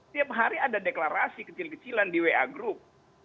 tiap hari ada deklarasi kecil kecilan di wa group